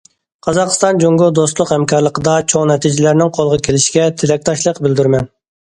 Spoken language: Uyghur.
قازاقىستان جۇڭگو دوستلۇق ھەمكارلىقىدا چوڭ نەتىجىلەرنىڭ قولغا كېلىشىگە تىلەكداشلىق بىلدۈرىمەن.